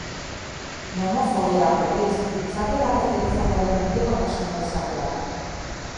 Nomofobia, berriz, sakelako telefonoaren mendekotasuna izatea da.